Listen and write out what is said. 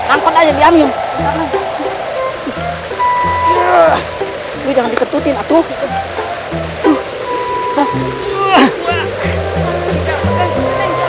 aku tidak boleh berhenti